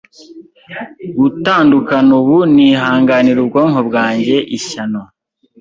Gutandukana ubu nihanganira ubwonko bwanjye ishyano!